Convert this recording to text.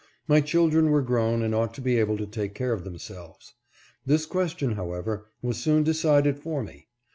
My children were grown and ought to be able to take care of themselves. This question, however, was soon decided for me.